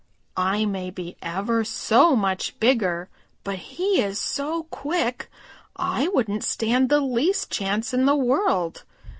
"I may be ever so much bigger, but he is so quick I wouldn't stand the least chance in the world.